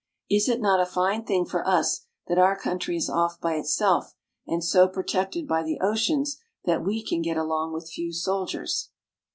Is it not a fine thing for us that our country is off by itself and so protected by the oceans that we can get along with few soldiers